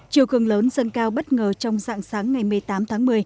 chiều cường lớn dân cao bất ngờ trong sáng sáng ngày một mươi tám tháng một mươi